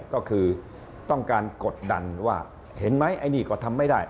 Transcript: ก็คือต้องการกดดันว่าเห็นไหมไอ้นี่ก็ทำไม่ได้